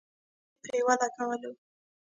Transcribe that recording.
که ټکټ یې پرې ولګولو.